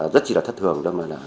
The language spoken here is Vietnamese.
rất chỉ là thất thường